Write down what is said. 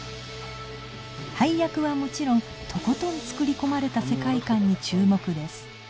配役はもちろんとことん作り込まれた世界観に注目です